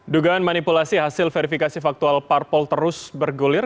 dugaan manipulasi hasil verifikasi faktual parpol terus bergulir